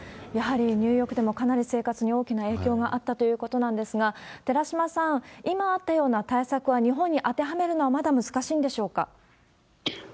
やはりニューヨークでもかなり生活に大きな影響があったということなんですが、寺嶋さん、今あったような対策は日本に当てはめるのはまだ難しいんでしょうか？